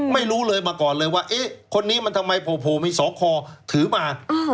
ไม่รู้เลยมาก่อนเลยว่าเอ๊ะคนนี้มันทำไมโผล่มีสอคอถือมา